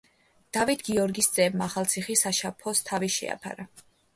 დავით გიორგის ძემ ახალციხის საფაშოს შეაფარა თავი.